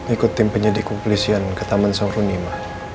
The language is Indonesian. ikut tim penyedih kuklisian ke taman seruni ma